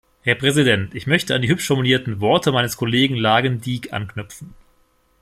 Herr Präsident! Ich möchte an die hübsch formulierten Worte meines Kollegen Lagendijk anknüpfen.